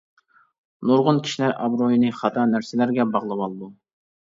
نۇرغۇن كىشىلەر ئابرۇينى خاتا نەرسىلەرگە باغلىۋالىدۇ.